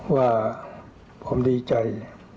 ว่าผมดีใจ